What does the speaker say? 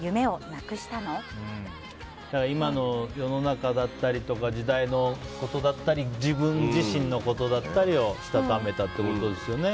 今の世の中だったり時代のことだったり自分自身のことだったりをしたためたってことですね。